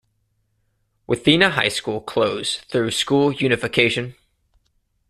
Wathena High School closed through school unification.